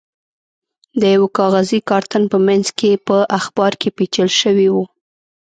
د یوه کاغذي کارتن په منځ کې په اخبار کې پېچل شوی و.